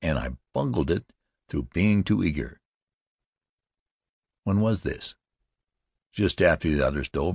and I bungled it through being too eager!" "When was this?" "Just after the others dove.